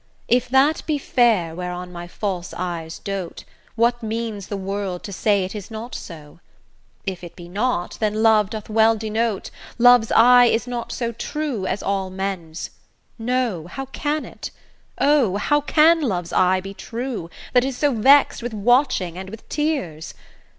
If that be fair whereon my false eyes dote, What means the world to say it is not so? If it be not, then love doth well denote Love's eye is not so true as all men's: no, How can it? O! how can Love's eye be true, That is so vexed with watching and with tears?